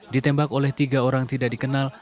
ditembak oleh tiga orang tidak dikenal